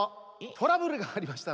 トラブルありました？